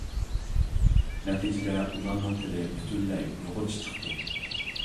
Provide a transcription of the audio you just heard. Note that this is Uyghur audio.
نەتىجىدە ئۇلارنىڭ تىلى پۈتۈنلەي ئۇيغۇرچە چىقتى.